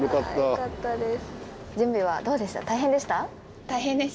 よかったです。